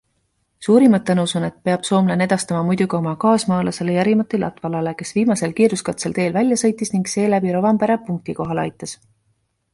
Suurimad tänusõnad peab soomlane edastama muidugi oma kaasmaalasele Jari-Matti Latvalale, kes viimasel kiiruskatsel teelt välja sõitis ning seeläbi Rovanperä punktikohale aitas.